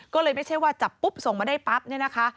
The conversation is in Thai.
ก็เลยไม่ใช่ว่าจับปุ๊บส่งมาได้ปั๊บเนี่ยนะคะ